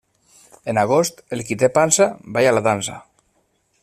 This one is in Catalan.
En agost, el qui té pansa balla la dansa.